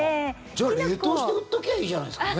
じゃあ、冷凍して売っときゃいいじゃないですか。